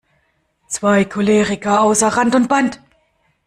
Zwei Choleriker außer Rand und Band!